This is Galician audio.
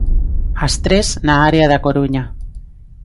As tres, na área da Coruña.